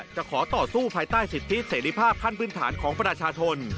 จะขอต่อสู้ภายใต้สิทธิเสรีภาพขั้นพื้นฐานของประชาชน